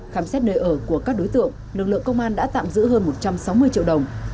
khám xét nơi ở của các đối tượng lực lượng công an đã tạm giữ hơn một trăm sáu mươi triệu đồng